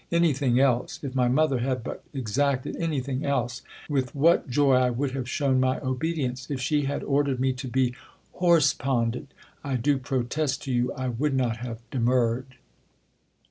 Any thing else ; if my mother had but exacted any thing else, with what joy I would have shown my obedience ! If she had ordered me to be horse ponded, I do protest to you, I would not have demurred.